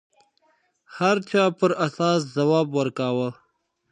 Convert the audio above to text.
هر چا پر اساس ځواب ورکاوه